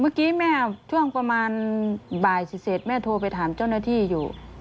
เมื่อกี้แม่ช่วงประมาณบ่ายเสร็จแม่โทรไปถามเจ้าหน้าที่อยู่